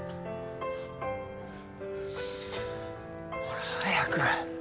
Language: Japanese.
ほら早く。